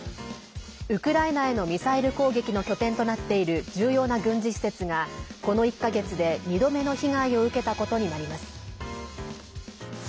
ウクライナへのミサイル攻撃の拠点となっている重要な軍事施設がこの１か月で２度目の被害を受けたことになります。